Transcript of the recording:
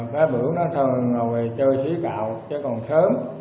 cái bữa nó thôi ngồi chơi xí cạo chứ còn sớm